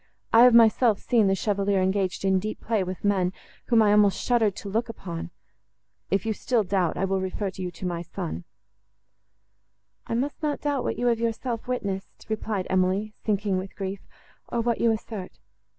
I have myself seen the Chevalier engaged in deep play with men, whom I almost shuddered to look upon. If you still doubt, I will refer you to my son." "I must not doubt what you have yourself witnessed," replied Emily, sinking with grief, "or what you assert.